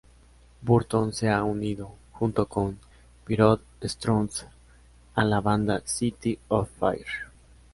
Burton se ha unido, junto con Byron Stroud, a la banda City of Fire.